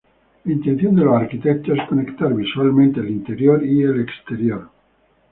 La intención de los arquitectos es conectar visualmente el interior y el exterior.